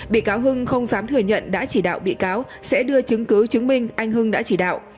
bị cáo hưng không dám thừa nhận đã chỉ đạo bị cáo sẽ đưa chứng cứ chứng minh anh hưng đã chỉ đạo